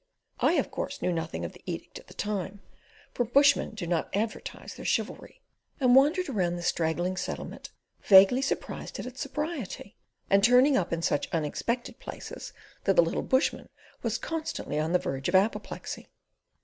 I, of course, knew nothing of the edict at the time—for bushmen do not advertise their chivalry—and wandered round the straggling Settlement vaguely surprised at its sobriety, and turning up in such unexpected places that the little bushman was constantly on the verge of apoplexy.